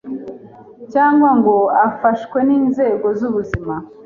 cyangwa ngo afashwe n’inzego z’ubuzima.”